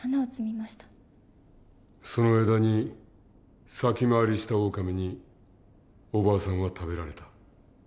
その間に先回りしたオオカミにおばあさんは食べられた。